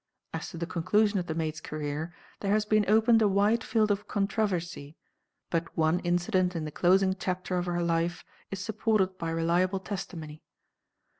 As to the conclusion of the Maid's career, there has been opened a wide field of controversy, but one incident in the closing chapter of her life is supported by reliable testimony.